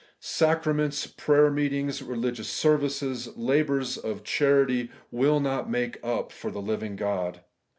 Sacra ments, prayer meetings, religious services, labours of charity, wiU not make up for the living God.